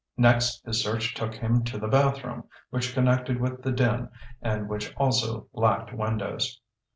Next his search took him to the bathroom, which connected with the den and which also lacked windows.